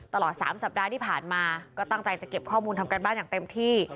ตลอด๓สัปดาห์ที่ผ่านมาก็ตั้งใจจะเก็บข้อมูลทำการบ้านอย่างเต็มที่